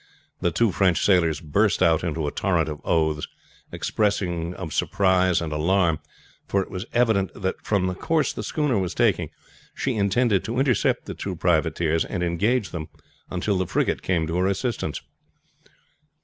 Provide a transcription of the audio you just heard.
The two French sailors burst out into a torrent of oaths, expressive of surprise and alarm; for it was evident that from the course the schooner was taking she intended to intercept the two privateers, and engage them until the frigate came to her assistance.